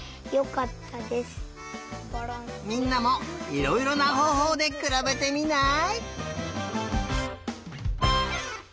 みんなもいろいろなほうほうでくらべてみない？